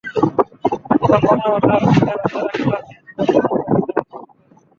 তখন বাংলা ভাষার সেরা সেরা ক্লাসিক গ্রন্থ প্রকাশিত হতো সেখান থেকে।